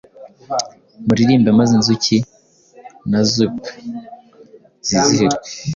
Muririmbe maze inzuki nazp zizihirwe.